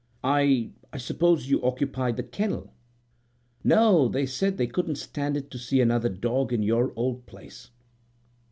"I—I suppose you occupy the kennel?" "No. They said they couldn't stand it to see another dog in your old place."